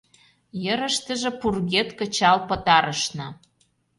Йырыштыже пургед кычал пытарышна.